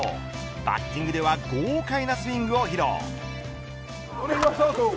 バッティングでは豪快なスイングを披露。